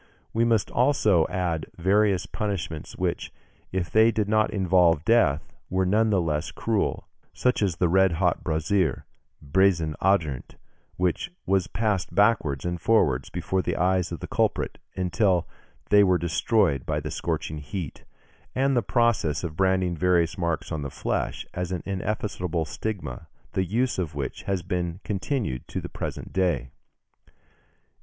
We must also add various punishments which, if they did not involve death, were none the less cruel, such as the red hot brazier, bassin ardent, which was passed backwards and forwards before the eyes of the culprit, until they were destroyed by the scorching heat; and the process of branding various marks on the flesh, as an ineffaceable stigma, the use of which has been continued to the present day.